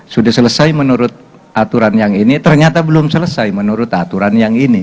sudah selesai menurut aturan yang ini ternyata belum selesai menurut aturan yang ini